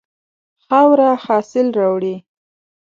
خاوره حاصل راوړي.